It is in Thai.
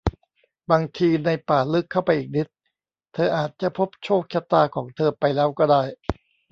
บางที ในป่าลึกเข้าไปอีกนิด เธออาจจะพบโชคชะตาของเธอไปแล้วก็ได้